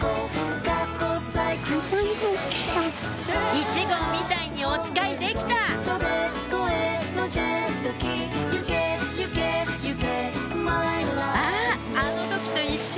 １号みたいにおつかいできたあっあの時と一緒！